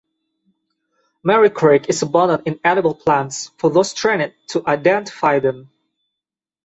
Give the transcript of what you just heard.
Merri Creek is abundant in edible plants for those trained to identify them.